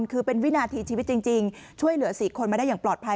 คือเป็นวินาทีชีวิตจริงช่วยเหลือ๔คนมาได้อย่างปลอดภัย